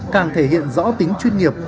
càng thể hiện rõ tính chuyên nghiệp